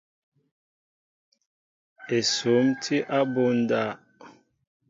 Esŭm tí abunda.